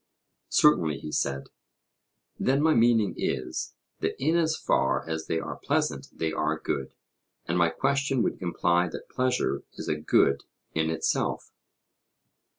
Certainly, he said. Then my meaning is, that in as far as they are pleasant they are good; and my question would imply that pleasure is a good in itself.